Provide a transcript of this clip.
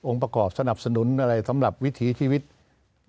ประกอบสนับสนุนอะไรสำหรับวิถีชีวิต